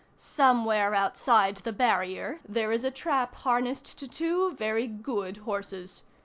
Somewhere, outside the barrier, there is a trap harnessed to two very good horses.